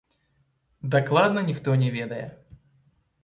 Дакладна ніхто не ведае.